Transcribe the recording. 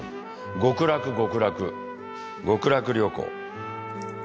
極楽極楽極楽旅行。